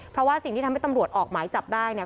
เพราะว่าสิ่งที่ทำให้ตำรวจออกหมายจับได้เนี่ย